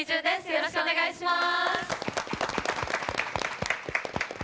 よろしくお願いします。